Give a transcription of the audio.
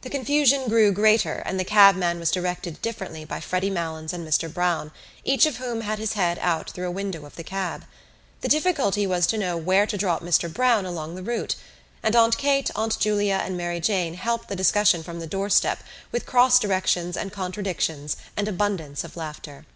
The confusion grew greater and the cabman was directed differently by Freddy Malins and Mr Browne, each of whom had his head out through a window of the cab. The difficulty was to know where to drop Mr Browne along the route, and Aunt Kate, Aunt Julia and Mary Jane helped the discussion from the doorstep with cross directions and contradictions and abundance of laughter.